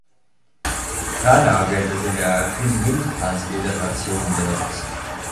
Ferner wird es in der Pinyin-Transliteration benutzt.